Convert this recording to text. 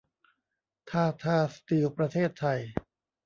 ทาทา สตีล ประเทศไทย